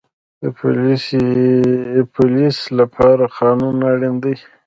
د پولیس لپاره قانون اړین دی